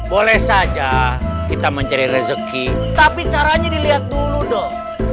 boleh saja kita mencari rezeki tapi caranya dilihat dulu dong